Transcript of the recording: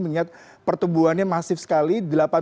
mengingat pertumbuhannya masif sekali